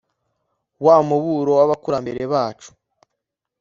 wa muburo w'abakurambere bacu